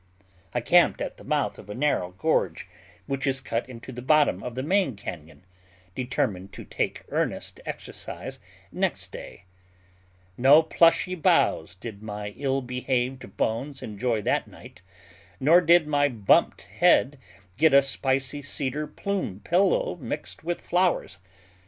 I camped at the mouth of a narrow gorge which is cut into the bottom of the main cañon, determined to take earnest exercise next day. No plushy boughs did my ill behaved bones enjoy that night, nor did my bumped head get a spicy cedar plume pillow mixed with flowers.